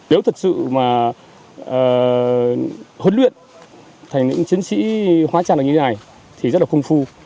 nếu thật sự mà huấn luyện thành những chiến sĩ hóa trang này như thế này thì rất là công phu